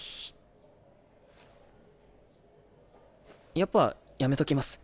やっぱやめときます。